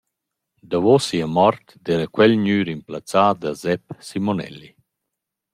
Davo sia mort d’eira quel gnü rimplazzà da Sepp Simonelli.